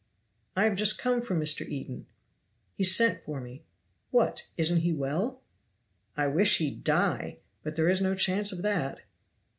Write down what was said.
"I have just come from Mr. Eden. He sent for me." "What, isn't he well?" "I wish he'd die! But there is no chance of that."